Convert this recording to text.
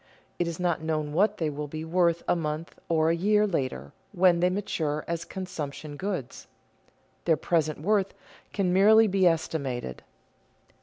It is not known what they will be worth a month or a year later when they mature as consumption goods; their present worth can merely be estimated.